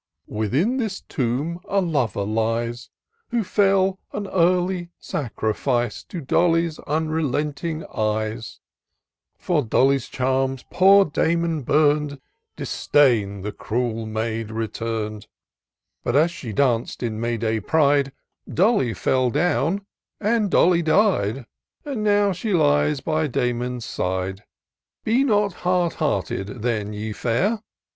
" Within this tomb a lover lies, Who fell an early sacrifice To Dolly's unrelenting eyes ; For Dolly's charms poor Damon burn'd; Disdain the cruel maid retum'd : But, as she danc'd in May day pride, Dolly fell down, and Dolly died. And now she lays by Damon's side. ' Be not hard hearted, then, ye fair!